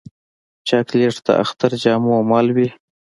چاکلېټ د اختر د جامو مل وي.